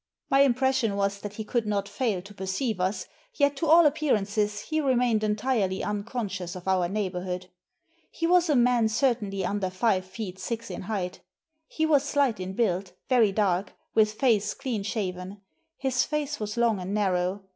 My impression was that he could not fail to perceive us, yet to all appearances he remained entirely unconscious of our neighbourhood. He was a man certainly under five feet six in height He was slight in build, very dark, with face clean shaven; his face was long and narrow.